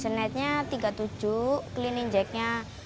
senetnya tiga puluh tujuh cleaning jacknya lima puluh